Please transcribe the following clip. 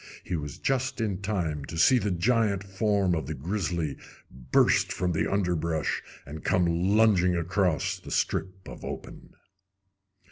He was just in time to see the giant form of the grizzly burst from the underbrush and come lunging across the strip of open.